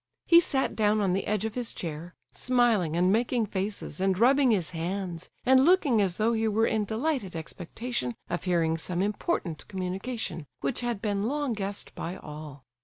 He sat down on the edge of his chair, smiling and making faces, and rubbing his hands, and looking as though he were in delighted expectation of hearing some important communication, which had been long guessed by all.